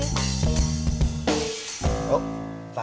aku mau bawa bantuan